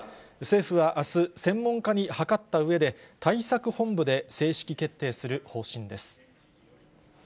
政府はあす、専門家に諮ったうえで、対策本部で正式決定する方針です。